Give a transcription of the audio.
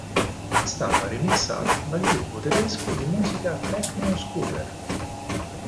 È stata remixata dal gruppo tedesco di musica techno Scooter.